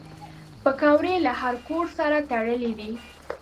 پکورې له هر کور سره تړلي دي